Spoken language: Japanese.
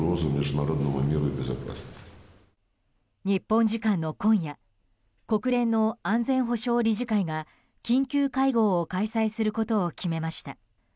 日本時間の今夜国連の安全保障理事会が緊急会合を開催することを決めました。